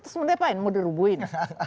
sesuai apaan mau dirubuhin